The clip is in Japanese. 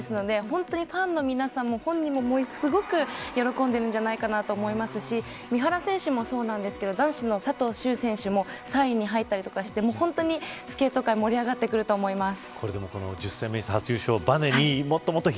本当に三原選手はいろんな試練を乗り越えてきた選手なのでファンの皆さんも本人もすごく喜んでるんじゃないかなと思いますし三原選手もそうなんですけど男子の佐藤選手も３位に入ったりしてスケート界盛り上がってくると思います。